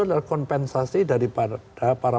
adalah kompensasi daripada para